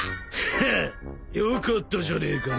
ヘッよかったじゃねえか